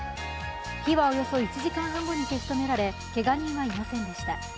火はおよそ１時間半後に消し止められけが人はいませんでした。